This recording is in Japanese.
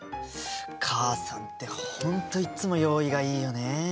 母さんって本当いつも用意がいいよね。